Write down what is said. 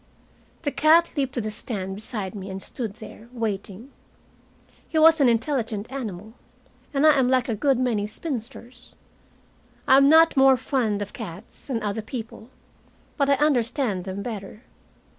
The cat leaped to the stand beside me and stood there, waiting. He was an intelligent animal, and I am like a good many spinsters. I am not more fond of cats than other people, but I understand them better.